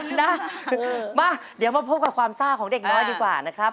นะมาเดี๋ยวมาพบกับความซ่าของเด็กน้อยดีกว่านะครับ